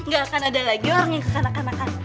gak akan ada lagi orang yang kekanak kanakan